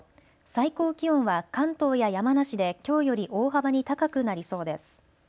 最高気温は関東や山梨できょうより大幅に高くなりそうです。